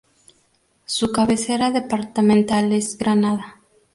Su cabecera departamental es Granada.